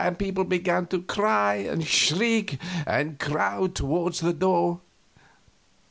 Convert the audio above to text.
People began to cry and shriek and crowd toward the door.